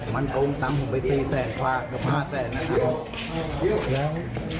มันกงตังผมไป๔แสนฟาค